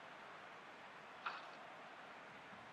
Kwa nini Marekani haijampongeza rasmi Ruto